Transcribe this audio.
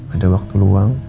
ada waktu luang